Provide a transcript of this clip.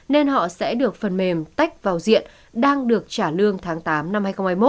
nên họ sẽ được phần mềm tách vào diện đang được trả lương tháng tám năm hai nghìn hai mươi một